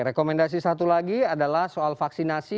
rekomendasi satu lagi adalah soal vaksinasi